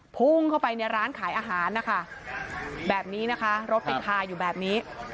พุ่งเข้าไปในร้านขายอาหารนะคะแบบนี้นะคะรถไปคาอยู่แบบนี้